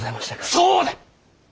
そうだ！